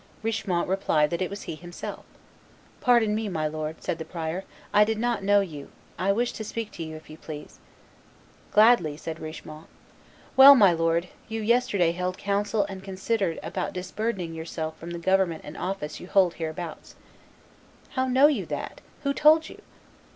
Richemont replied that it was he himself. "Pardon me, my lord," said the prior, "I did not know you; I wish to speak to you, if you please." "Gladly," said Richemont. "Well, my lord, you yesterday held counsel and considered about disburdening yourself from the government and office you hold hereabouts." "How know you that? Who told you?"